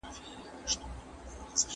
هغه د مادي ګټو په اړه هېڅ فکر نه کاوه.